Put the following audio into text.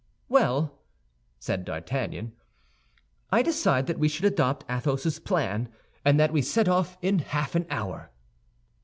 "Well," said D'Artagnan, "I decide that we should adopt Athos's plan, and that we set off in half an hour."